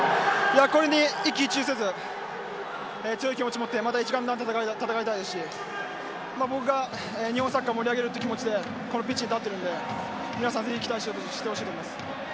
これに一喜一憂せず強い気持ちを持ってまた一丸となって戦いたいし僕が日本サッカーを盛り上げるという気持ちでこのピッチに立っているので皆さん、ぜひ期待していてほしいと思います。